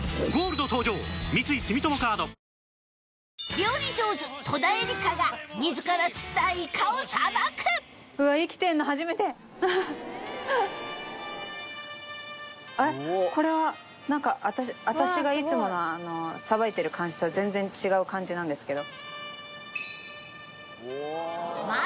料理上手戸田恵梨香があっこれは何か私がいつものさばいてる感じと全然違う感じなんですけど。